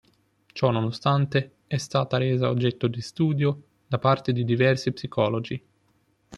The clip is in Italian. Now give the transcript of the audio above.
Ciò nonostante, è stata resa oggetto di studio da parte di diversi psicologi.